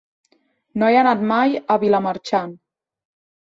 No he anat mai a Vilamarxant.